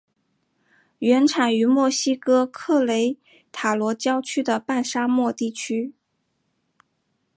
原产于墨西哥克雷塔罗郊区的半沙漠地区。